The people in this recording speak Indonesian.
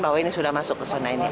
bahwa ini sudah masuk ke zona ini